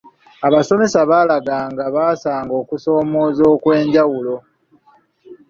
Abasomesa baalaga nga basanga okusoomooza okw’enjawulo.